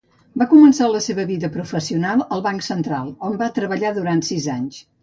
Va començar la seva vida professional al Banc Central, on va treballar durant sis anys.